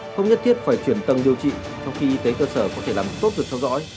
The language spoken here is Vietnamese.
không nhất thiết phải chuyển tầng điều trị trong khi y tế cơ sở có thể làm tốt được cho rõ